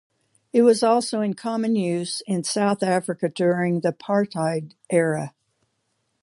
It was also in common use in South Africa during the apartheid era.